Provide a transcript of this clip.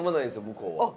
向こうは。